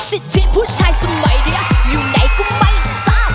สิทธิคุมพุชายจะไม่ได้อยู่ไหนก็ไม่ทราบ